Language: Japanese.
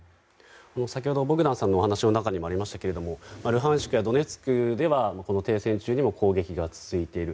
先ほどのボグダンさんのお話の中にもありましたがルハンシクやドネツクでは停戦中にも攻撃が続いている。